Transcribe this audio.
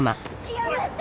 やめて！